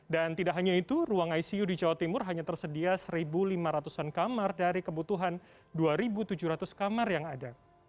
dan tidak hanya itu ruang icu di jawa timur hanya tersedia satu lima ratus kamar dari kebutuhan dua tujuh ratus kamar yang ada